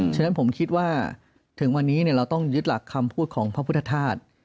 ฉะนั้นผมคิดว่าถึงวันนี้เราต้องยึดหลักคำพูดของพระพุทธธาตุ